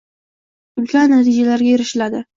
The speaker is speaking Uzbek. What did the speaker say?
ulkan natijalarga erishiladi.